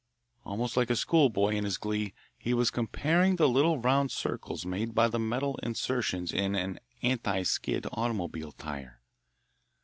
Almost like a schoolboy in his glee, he was comparing the little round circles made by the metal insertions in an "anti skid" automobile tire.